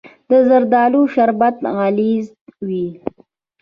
د زردالو شربت غلیظ وي.